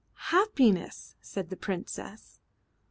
"Happiness," said the Princess.